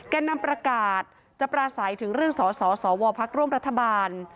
แก่นำประกาศจะปราศัยถึงเรื่องสสวพักร่วมรัฐบาล